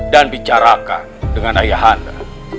dan bicarakan dengan ayahanda